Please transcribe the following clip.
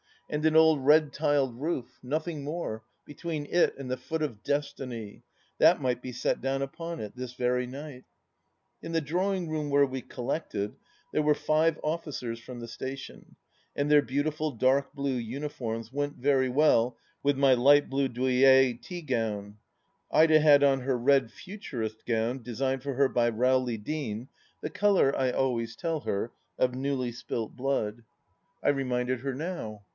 And an old red tiled roof — nothing more !— between it and the Foot of Destiny ... that might be set down upon it ... this very night !... In the drawing room where we collected, there were five officers from the station, and their beautiful dark blue uniforms went very well with my light blue Doeuillet tea gown Ida had on her red Futurist gown designed for her by Rowley Deane, the colour, I always tell her, of newly spilt blood. 208 THE LAST DITCH I reminded her now.